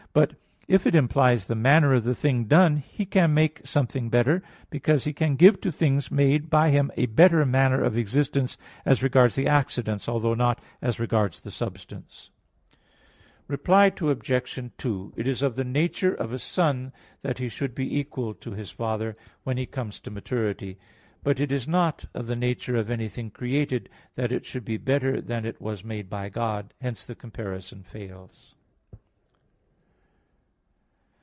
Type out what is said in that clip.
But if it implies the manner of the thing done, He can make something better; because He can give to things made by Him a better manner of existence as regards the accidents, although not as regards the substance. Reply Obj. 2: It is of the nature of a son that he should be equal to his father, when he comes to maturity. But it is not of the nature of anything created, that it should be better than it was made by God. Hence the comparison fails.